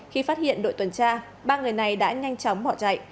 khi phát hiện đội tuần tra ba người này đã nhanh chóng bỏ chạy